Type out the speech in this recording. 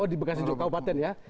oh di bekasi juga kabupaten ya